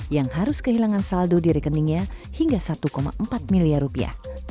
yang harus kehilangan saldo di rekeningnya hingga satu empat miliar rupiah